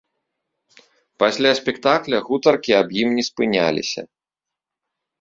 Пасля спектакля гутаркі аб ім не спыняліся.